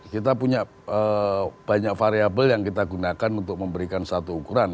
kita punya banyak variable yang kita gunakan untuk memberikan satu ukuran